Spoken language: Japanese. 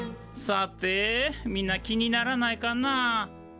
さてみんな気にならないかな？